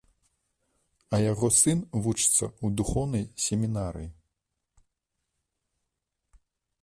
А яго сын вучыцца ў духоўнай семінарыі.